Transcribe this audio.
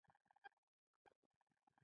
لوستونکی پوهیږي چې په کوم ځای کې سا واخلي.